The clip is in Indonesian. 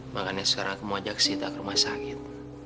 makanya sekarang aku mau ajak sita ke rumah sakit